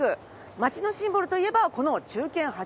街のシンボルといえばこの忠犬ハチ公像。